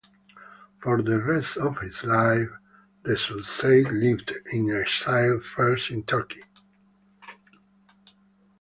For the rest of his life, Rasulzade lived in exile first in Turkey.